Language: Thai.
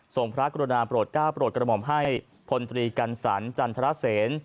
ทรงพระกรณาโปรดก้าโปรดกระหม่อมให้พลตรีกันศรจันทรเศรษฐ์